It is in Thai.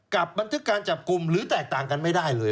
กับบันทึกการจับกลุ่มหรือแตกต่างกันไม่ได้เลย